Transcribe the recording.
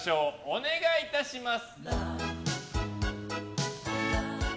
お願いいたします！